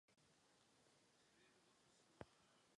Musíme proto najít další nástroje.